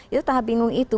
itu tahap bingung itu